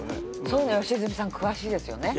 そういうの良純さん詳しいですよね。